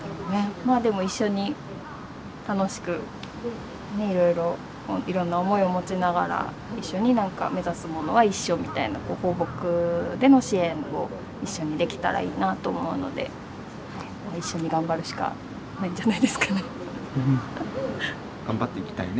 まあでも一緒に楽しくいろいろいろんな思いを持ちながら一緒に目指すものは一緒みたいな抱樸での支援を一緒にできたらいいなと思うので一緒に頑張るしかないんじゃないですかね。頑張っていきたいね。